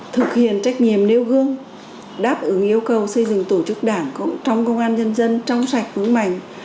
thực hiện trách nhiệm nêu gương đáp ứng yêu cầu xây dựng tổ chức đảng trong công an nhân dân trong sạch vững mạnh